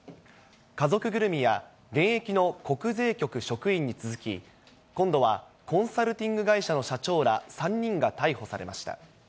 家族ぐるみや現役の国税局職員に続き、今度はコンサルティング会社の社長ら３人が逮捕されました。